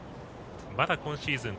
まだ今シーズン